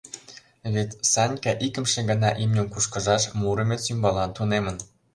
Вет Санька икымше гана имньым кушкыжаш Муромец ӱмбалан тунемын.